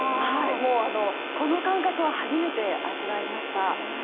この感覚は初めて味わいました。